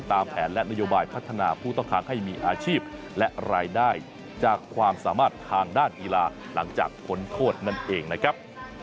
ตามแผนและนโยบายพัฒนาผู้ต้องขังให้มีอาชีพและรายได้จากความสามารถทางด้านกีฬาหลังจากพ้นโทษนั่นเองนะครับ